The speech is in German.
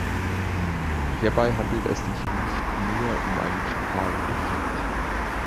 Hierbei handelt es sich nicht nur um einen grippalen Infekt.